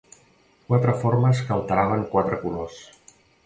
Quatre formes que alternaven quatre colors.